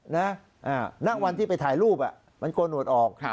นั่งวันที่ไปถ่ายรูปมันโกนหวดออก